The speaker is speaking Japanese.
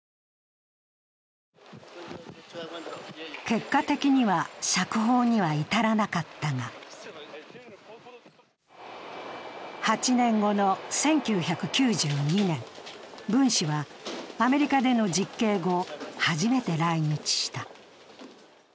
結果的には釈放には至らなかったが、８年後の１９９２年文氏はアメリカでの実刑後初めて来日した。